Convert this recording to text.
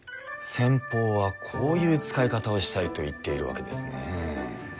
先方はこういう使い方をしたいと言っているわけですね。